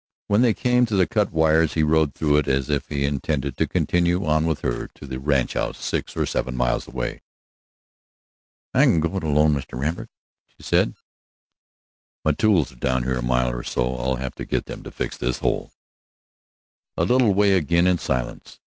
When they came to the cut wires he rode through as if he intended to continue on with her to the ranchhouse, six or seven miles away. "I can go on alone, Mr. Lambert," she said. "My tools are down here a mile or so. I'll have to get them to fix this hole." A little way again in silence.